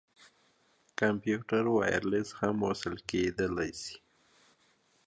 کمپيوټر وايرلس هم وصل کېدلاى سي.